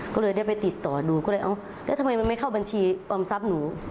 ก็เลยได้ไปติดต่อดูก็เลยเอาแล้วทำไมมันไม่เข้าบัญชีออมทรัพย์หนู